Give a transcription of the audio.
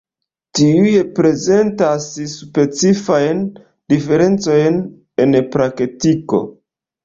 Tiuj prezentas specifajn diferencojn en praktiko.